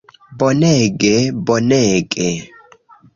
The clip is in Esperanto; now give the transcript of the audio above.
Bonege... bonege...